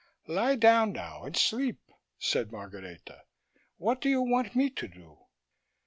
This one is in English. "Lie down now and sleep," said Margareta. "What do you want me to do?"